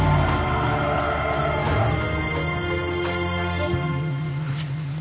えっ？